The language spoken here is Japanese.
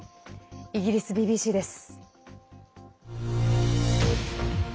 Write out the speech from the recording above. イギリスＢＢＣです。